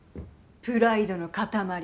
プライドの塊。